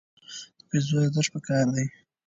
د پیسو ارزښت په کار کې دی.